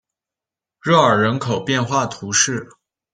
热尔人口变化图示